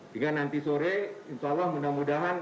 sehingga nanti sore insya allah mudah mudahan